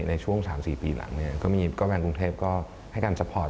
ในช่วง๓๔ปีหลังเนี่ยก็มีแฟนกรุงเทพก็ให้การซัพพอร์ต